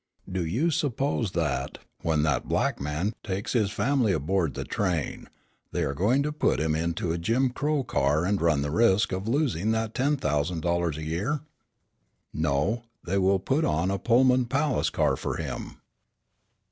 Do you suppose that, when that black man takes his family aboard the train, they are going to put him into a Jim Crow car and run the risk of losing that ten thousand dollars a year? No, they will put on a Pullman palace car for him.